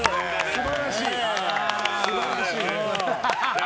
素晴らしい。